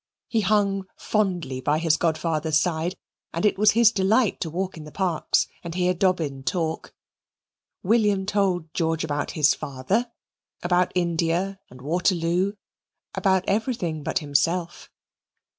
He hung fondly by his godfather's side, and it was his delight to walk in the parks and hear Dobbin talk. William told George about his father, about India and Waterloo, about everything but himself.